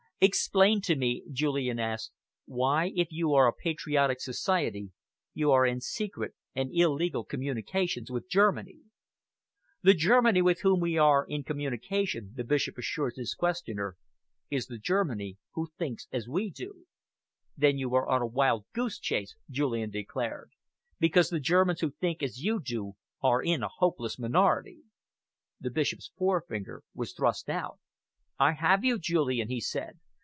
"Explain to me," Julian asked, "why, if you are a patriotic society, you are in secret and illegal communication with Germany?" "The Germany with whom we are in communication," the Bishop assured his questioner, "is the Germany who thinks as we do." "Then you are on a wild goose chase," Julian declared, "because the Germans who think as you do are in a hopeless minority." The Bishop's forefinger was thrust out. "I have you, Julian," he said.